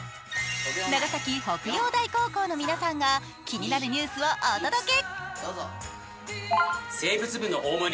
長崎北陽台高校の皆さんが、気になるニュースをお届け。